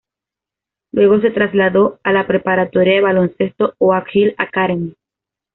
Luego se trasladó a la preparatoria de baloncesto "Oak Hill Academy".